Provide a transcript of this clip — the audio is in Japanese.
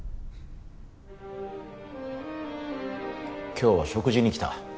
今日は食事に来た。